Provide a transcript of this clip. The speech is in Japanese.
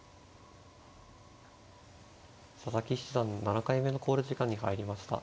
佐々木七段７回目の考慮時間に入りました。